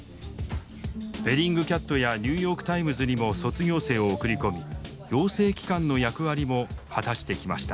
ベリングキャットやニューヨーク・タイムズにも卒業生を送り込み養成機関の役割も果たしてきました。